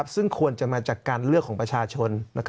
ซึ่งควรจะมาจากการเลือกของประชาชน